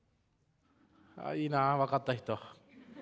いいなあ分かった人。